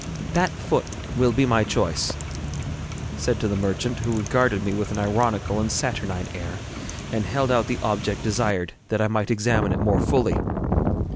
'That foot will be my choice,' said to the merchant, who regarded me with an ironical and saturnine air, and held out the object desired that I might examine it more fully.